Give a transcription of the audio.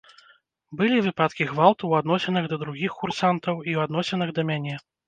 Былі выпадкі гвалту ў адносінах да другіх курсантаў і ў адносінах да мяне.